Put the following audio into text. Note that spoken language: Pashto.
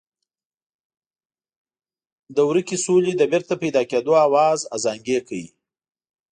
د ورکې سولې د بېرته پیدا کېدو آواز ازانګې کوي.